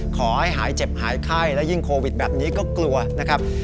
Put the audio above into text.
ขอให้หายเจ็บหายไข้และยิ่งโควิดแบบนี้ก็กลัวนะครับ